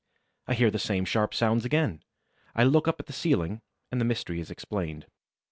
I hear the same sharp sounds again. I look up at the ceiling and the mystery is explained.